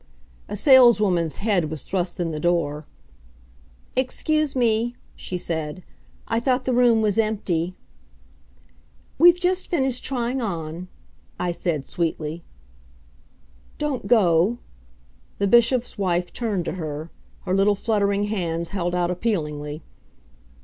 A saleswoman's head was thrust in the door. "Excuse me," she said, "I thought the room was empty." "We've just finished trying on," I said sweetly. "Don't go!" The Bishop's wife turned to her, her little fluttering hands held out appealingly.